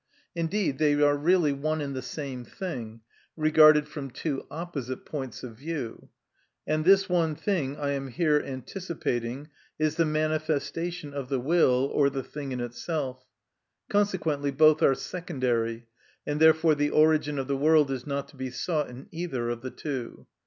Indeed they are really one and the same thing regarded from two opposite points of view; and this one thing, I am here anticipating, is the manifestation of the will, or the thing in itself. Consequently both are secondary, and therefore the origin of the world is not to be sought in either of the two.